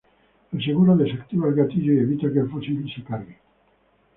El seguro desactiva el gatillo y evita que el fusil sea cargado.